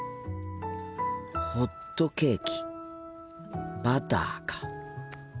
ホットケーキバターか。